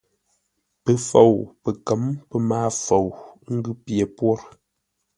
Pəfou, pəkə̌m, pəmaafou, ə́ ngʉ̌ pye pwôr.